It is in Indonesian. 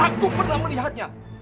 aku pernah melihatnya